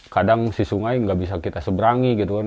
kadang si sungai nggak bisa kita seberangi gitu kan